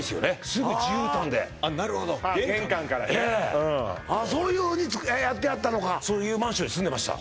すぐ絨毯でああ玄関からねああそういうふうにやってはったのかそういうマンションに住んでました